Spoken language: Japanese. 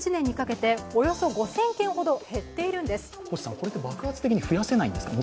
これって爆発的に増やせないんですか？